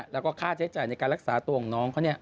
แล้วก็ค่าใช้จ่ายในการรักษาตัวของน้องเขา